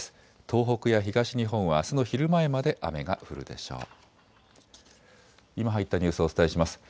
東北や東日本はあすの昼前まで雨が降るでしょう。